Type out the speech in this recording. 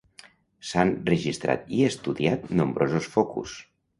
S'han registrat i estudiat nombrosos focus.